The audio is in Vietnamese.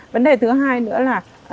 vấn đề thứ hai nữa là